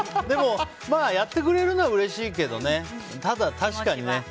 でも、やってくれるのはうれしいけどただ、確かにね。